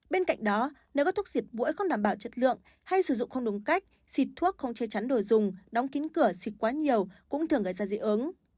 bên cạnh đó nếu các thuốc diệt mũi không đảm bảo chất lượng hay sử dụng không đúng cách xịt thuốc không che chắn đồ dùng đóng kín cửa xịt quá nhiều cũng thường gây ra dị ứng